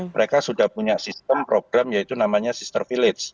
mereka sudah punya sistem program yaitu namanya sister village